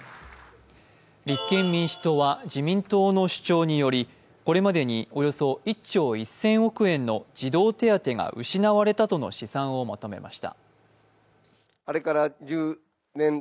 立憲民主党は自民党の主張によりこれまでにおよそ１兆１０００億円の児童手当が失われたとの試算をまとめました。